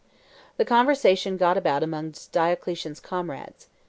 The conversation got about amongst Diocletian's comrades.